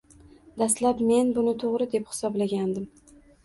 Dastlab men buni to’g’ri deb hisoblagandim